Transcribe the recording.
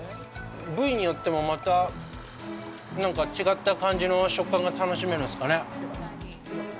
部位によっても、また違った感じの食感が楽しめるんですかね。